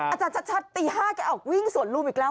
อาจารย์ชัดตี๕แกออกวิ่งสวนลุมอีกแล้ว